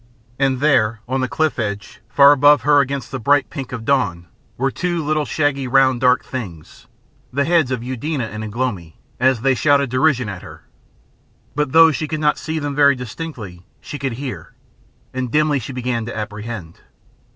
And there, on the cliff edge, far above her against the bright pink of dawn, were two little shaggy round dark things, the heads of Eudena and Ugh lomi, as they shouted derision at her. But though she could not see them very distinctly she could hear, and dimly she began to apprehend.